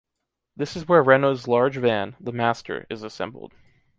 This is where Renault’s large van, the Master, is assembled.